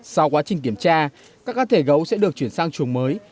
sau quá trình kiểm tra các cá thể gấu sẽ được chuyển sang chuồng mới